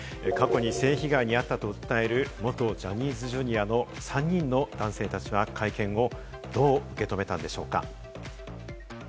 過去に性被害に遭ったと訴える元ジャニーズＪｒ．の３人の男性たちは会見をどう受け止めたのでしょうか？